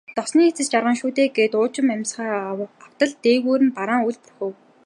Зовсны эцэст жаргана шүү дээ гээд уужим амьсгаа автал дээгүүр нь бараан үүл бүрхэв.